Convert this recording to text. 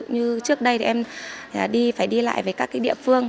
như trước đây thì em phải đi lại với các cái địa phương